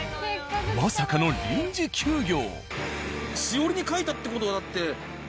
まさかの臨時休業。